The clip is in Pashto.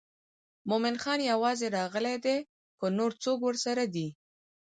مومن خان یوازې راغلی دی که نور څوک ورسره دي.